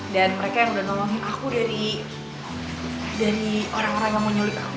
dan mereka yang udah nolongin aku dari dari orang orang yang mau nyulik aku